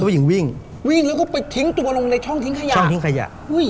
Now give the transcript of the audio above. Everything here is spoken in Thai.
หญิงวิ่งวิ่งแล้วก็ไปทิ้งตัวลงในช่องทิ้งขยะช่องทิ้งขยะอุ้ย